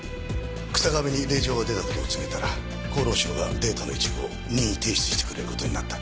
日下部に令状が出た事を告げたら厚労省がデータの一部を任意提出してくれる事になった。